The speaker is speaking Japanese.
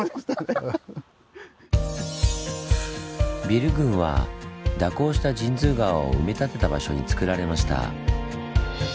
ビル群は蛇行した神通川を埋め立てた場所につくられました。